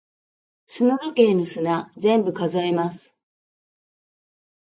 砂時計の砂、全部数えます。